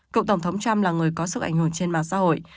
cựu tổng thống trump là người có sức ảnh hưởng trên mạng xã hội